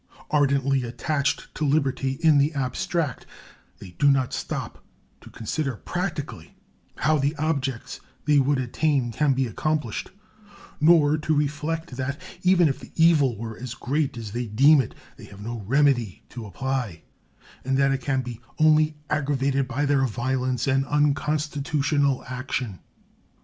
Ardently attached to liberty in the abstract, they do not stop to consider practically how the objects they would attain can be accomplished, nor to reflect that, even if the evil were as great as they deem it, they have no remedy to apply, and that it can be only aggravated by their violence and unconstitutional action.